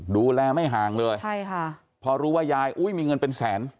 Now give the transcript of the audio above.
ดูแลไม่ห่างเลยใช่ค่ะพอรู้ว่ายายอุ้ยมีเงินเป็นแสน